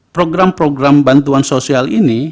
program program bantuan sosial ini